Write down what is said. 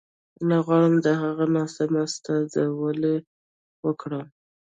نه غواړم د هغه ناسمه استازولي وکړم.